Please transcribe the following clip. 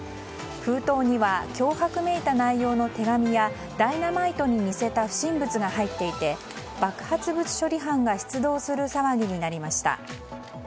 封筒には脅迫めいた内容の手紙やダイナマイトに似せた不審物が入っていて爆発物処理班が出動する騒ぎになりました。